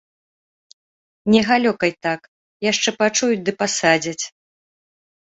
Не галёкай так, яшчэ пачуюць ды пасадзяць.